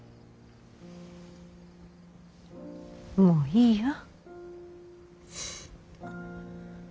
もういいよ。